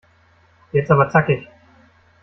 Jetzt aber zackig!